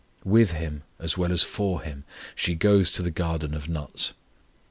With Him as well as for Him, she goes to the garden of nuts.